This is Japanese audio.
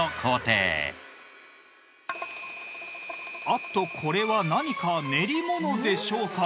あっとこれは何か練り物でしょうか？